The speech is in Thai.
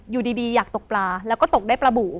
อยู่ดีอยากตกปลาแล้วก็ตกได้ปลาบู